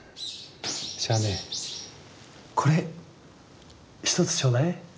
じゃあねこれ一つちょうだい。